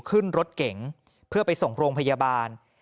ขึ้นรถเก๋งเพื่อไปส่งโรงพยาบาล